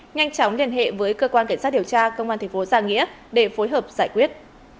nhanh chóng liên hệ với cơ quan cảnh sát điều tra công an thành phố giang nghĩa để phối hợp giải quyết